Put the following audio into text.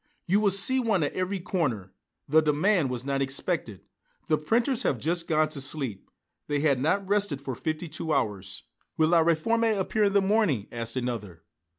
"You will see one at every corner. The demand was not expected. The printers have just gone to sleep. They had not rested for fifty two hours." "Will 'La Réforme' appear in the morning?" asked another.